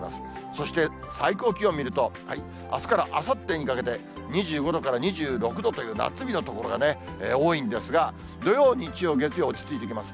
そして最高気温見ると、あすからあさってにかけて、２５度から２６度という夏日の所がね、多いんですが、土曜、日曜、月曜、落ち着いてきます。